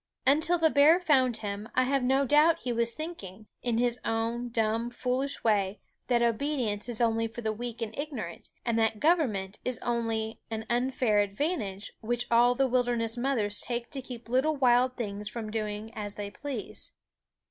Until the bear found him, I have no doubt he was thinking, in his own dumb, foolish way, that obedience is only for the weak and ignorant, and that government is only an unfair advantage which all the wilderness mothers take to keep little wild things from doing as they please.